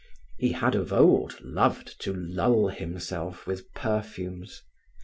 He had of old loved to lull himself with perfumes.